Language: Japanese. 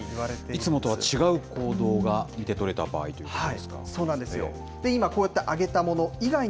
いつもとは違う行動が見て取れた場合ということですか。